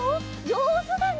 じょうずだね！